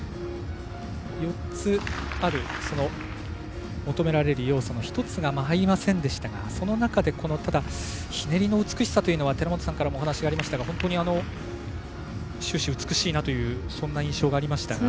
４つある求められる要素の１つが入りませんでしたがその中で、ひねりの美しさというのは寺本さんからもお話がありましたが終始、美しいなという印象がありましたが。